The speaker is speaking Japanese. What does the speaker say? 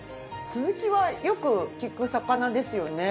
スズキはよく聞く魚ですよね。